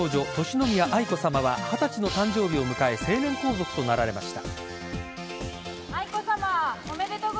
敬宮愛子さまは二十歳の誕生日を迎え成年皇族となられました。